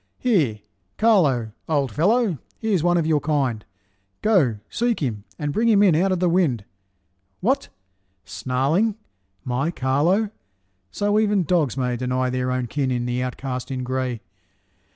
Here, Carlo, old fellow, he's one of your kind, Go, seek him, and bring him in out of the wind. What! snarling, my Carlo! So even dogs may Deny their own kin in the outcast in gray.